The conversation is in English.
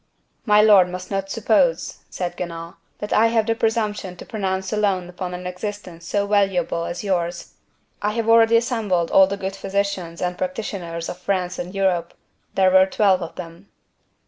"My lord must not suppose," said Guenaud, "that I have the presumption to pronounce alone upon an existence so valuable as yours. I have already assembled all the good physicians and practitioners of France and Europe. There were twelve of them."